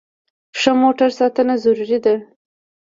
د ښه موټر ساتنه ضروري ده.